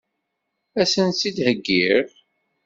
Ad sen-tt-id-heggiɣ?